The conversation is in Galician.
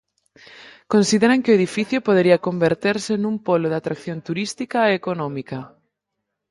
Consideran que o edificio podería converterse nun polo de atracción turística e económica.